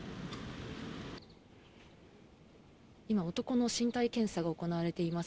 今、男の身体検査が行われています。